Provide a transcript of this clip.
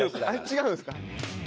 違うんですか？